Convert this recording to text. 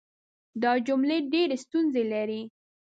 دا جملې ډېرې ستونزې لري.